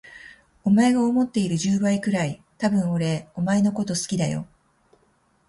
お前が思っている十倍くらい、多分俺お前のこと好きだよ。